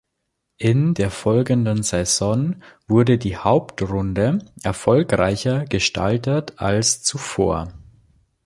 In der folgenden Saison wurde die Hauptrunde erfolgreicher gestaltet als zuvor.